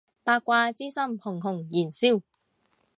八卦之心熊熊燃燒